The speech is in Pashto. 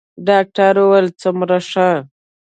ډاکتر وويل څومره ښه.